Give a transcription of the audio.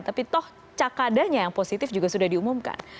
tapi toh cakadanya yang positif juga sudah diumumkan